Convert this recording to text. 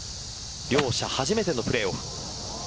両者初めてのプレーオフ。